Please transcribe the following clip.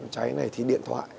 cháy này thì điện thoại